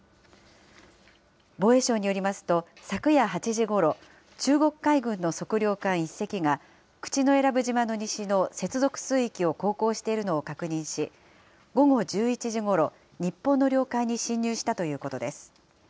防衛省によりますと、昨夜８時ごろ、中国海軍の測量艦１隻が、口永良部島の西の接続水域を航行しているのを確認し、午後１１時ごろ、日本の領海に侵入したということです。